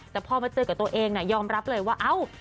แต่พอมาเจอกับตัวเองยอมรับเลยว่าเอ้า